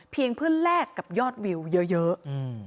เพียงเพื่อนแรกกับยอดวิวเยอะ